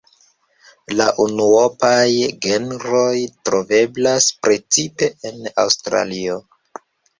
La unuopaj genroj troveblas precipe en Aŭstralio.